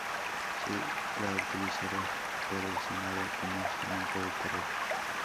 Será utilizado por el Senado como instrumento de terror.